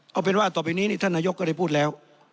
เอาเป็นว่าต่อไปนี้นี่ท่านนายกก็ได้พูดแล้ว